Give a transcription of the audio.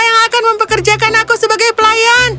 dan berteriak meminta pekerjaan sebagai pelayan